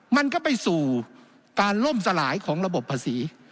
มันก็ไปสู่การล่มสลายของระบบภาษี